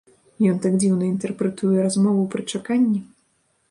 Ён так дзіўна інтэрпрэтуе размову пры чаканні.